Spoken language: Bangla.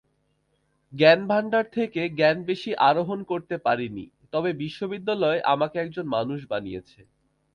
জ্ঞানভান্ডার থেকে জ্ঞান বেশি আরোহণ করতে পারিনি, তবে বিশ্ববিদ্যালয় আমাকে একজন মানুষ বানিয়েছে।